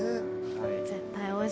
絶対おいしいわ。